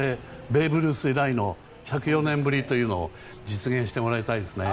ベーブ・ルース以来の１０４年ぶりというのを実現してもらいたいですね。